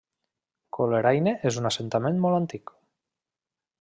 Coleraine és un assentament molt antic.